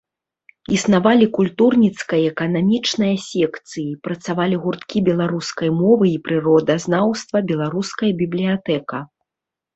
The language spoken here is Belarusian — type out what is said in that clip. Існавалі культурніцкая і эканамічная секцыі, працавалі гурткі беларускай мовы і прыродазнаўства, беларуская бібліятэка.